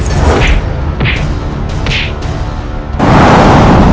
aku sudah mengirim pasukan